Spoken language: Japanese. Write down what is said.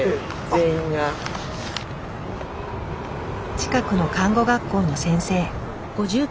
近くの看護学校の先生。